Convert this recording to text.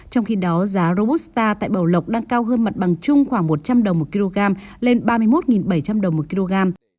trong khi đó giá robusta tại bảo lộc đang cao hơn mặt bằng chung khoảng một trăm linh đồng một kg lên ba mươi một bảy trăm linh đồng một kg